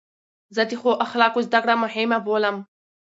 زه د ښو اخلاقو زدکړه مهمه بولم.